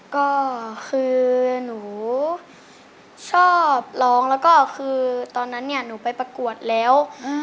ก็คือหนูชอบร้องแล้วก็คือตอนนั้นเนี่ยหนูไปประกวดแล้ว